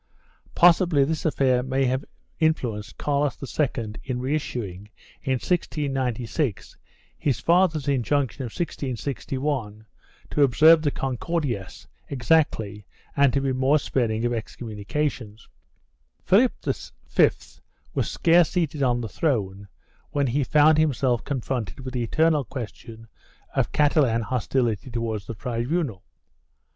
1 Possibly this affair may have influenced Carlos II in reissuing, in 1696, his father's injunction of 1661 to observe the Concordias exactly and to be more sparing of excom munications.2 Philip V was scarce seated on the throne when he found him self confronted with the eternal question of Catalan hostility towards the tribunal.